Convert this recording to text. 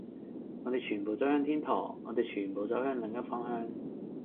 我哋全部走向天堂，我哋全部走向另一個方向，